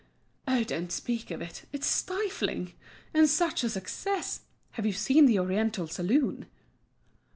"Oh! don't speak of it, it's stifling. And such a success! Have you seen the oriental saloon?"